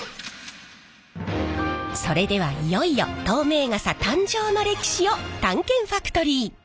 それではいよいよ透明傘誕生の歴史を探検ファクトリー！